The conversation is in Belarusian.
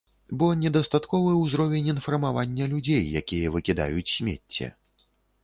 Бо недастатковы ўзровень інфармавання людзей, якія выкідаюць смецце.